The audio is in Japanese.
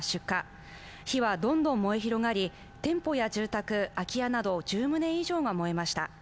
火はどんどん燃え広がり、店舗や住宅、空き家など１０棟以上が燃えました。